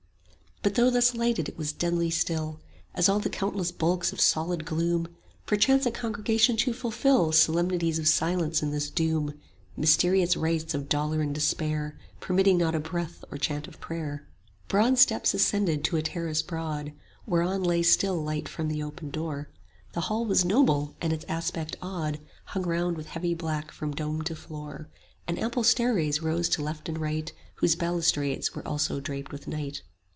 But though thus lighted it was deadly still As all the countless bulks of solid gloom; Perchance a congregation to fulfil Solemnities of silence in this doom, 10 Mysterious rites of dolour and despair Permitting not a breath or chant of prayer? Broad steps ascended to a terrace broad Whereon lay still light from the open door; The hall was noble, and its aspect awed, 15 Hung round with heavy black from dome to floor; And ample stairways rose to left and right Whose balustrades were also draped with night.